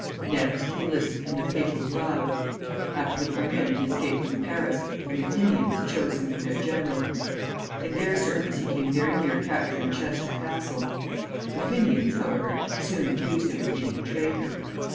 Next he enlisted in the Papal Zouaves. After the Commune he escaped from Paris, and the Fenians chose him for their general. In their service he came very near capturing Chester Castle. The Fenians, however, soon accused him of being a traitor.